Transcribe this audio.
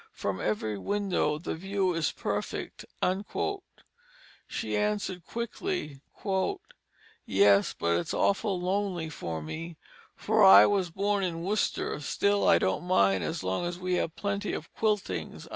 From every window the view is perfect." She answered quickly: "Yes, but it's awful lonely for me, for I was born in Worcester; still I don't mind as long as we have plenty of quiltings."